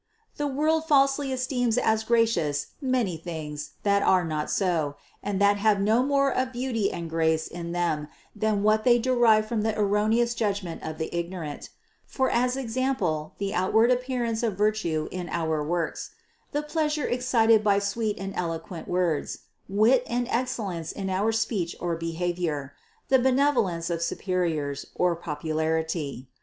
The world falsely esteems as gracious many things, that are not so, and that have no more of beauty and grace in them than what they derive from the erroneous judgment of the ignorant; as for example the outward appearance of virtue in our works ; the pleasure excited by sweet and eloquent words; wit and elegance in our speech or behaviour ; the benevolence of superiors, or popularity.